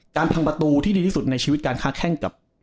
ทำประตูที่ดีที่สุดในชีวิตการค้าแข้งกับ